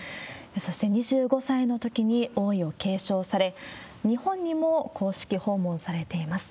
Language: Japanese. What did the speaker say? そして２５歳のときに王位を継承され、日本にも公式訪問されています。